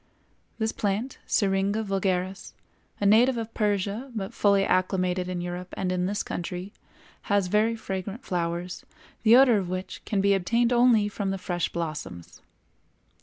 This plant, Syringa vulgaris, a native of Persia but fully acclimated in Europe and in this country, has very fragrant flowers, the odor of which can be obtained only from the fresh blossoms.